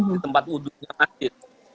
di tempat udutnya air